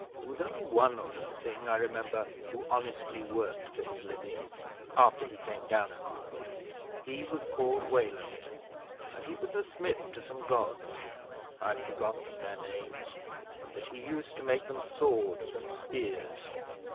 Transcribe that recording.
There was only one Old Thing, I remember, who honestly worked for his living after he came down in the world. He was called Weland, and he was a smith to some Gods. I've forgotten their names, but he used to make them swords and spears.